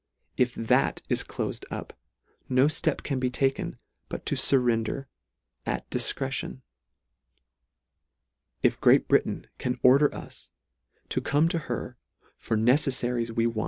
If that is clofed up, no ftep can be taken, but to furrender at difcretion. If Great Britain can order us to come to her for necelfaries we LETTER II.